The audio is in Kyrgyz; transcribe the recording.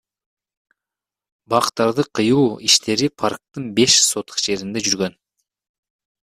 Бактарды кыюу иштери парктын беш сотых жеринде жүргөн.